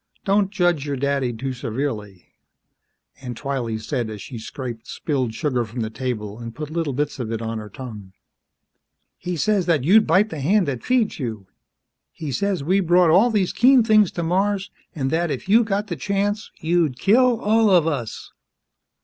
Don't judge your daddy too severely," Aunt Twylee said as she scraped spilled sugar from the table and put little bits of it on her tongue. "He says that you'd bite th' hand that feeds you. He says, we brought all these keen things to Mars, an' that if you got th' chance, you'd kill all of us!"